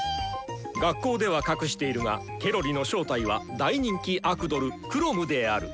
学校では隠しているがケロリの正体は大人気アクドルくろむである。